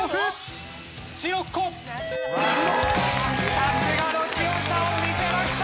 さすがの強さを見せました！